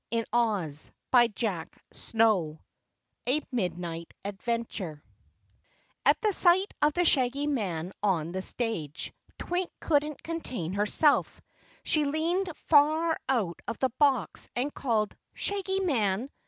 CHAPTER 12 A Midnight Adventure At the sight of the Shaggy Man on the stage, Twink couldn't contain herself. She leaned far out of the box and called "Shaggy Man!